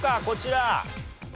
こちら。